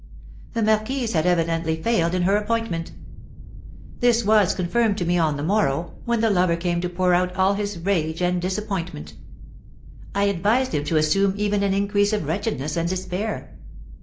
The marquise had evidently failed in her appointment. This was confirmed to me on the morrow, when the lover came to pour out all his rage and disappointment. I advised him to assume even an increase of wretchedness and despair.